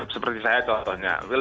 seperti saya contohnya